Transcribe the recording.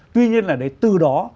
tuy nhiên là đấy từ đó